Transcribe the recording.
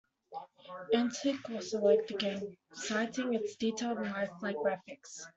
"Antic" also liked the game, citing its "detailed and lifelike graphics".